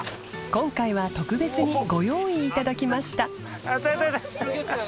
禳２鵑特別にご用意いただきました熱い。